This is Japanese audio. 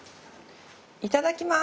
いただきます。